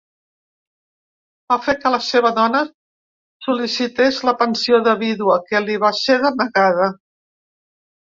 Va fer que la seva dona sol·licités la pensió de vídua, que li va ser denegada.